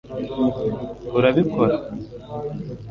urabikora